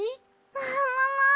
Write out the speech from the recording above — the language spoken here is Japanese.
ももも！